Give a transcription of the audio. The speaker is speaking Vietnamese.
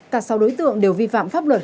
cả sáu đối tượng đều vi phạm pháp luật